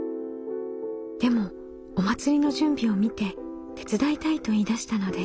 でもお祭りの準備を見て手伝いたいと言いだしたのです。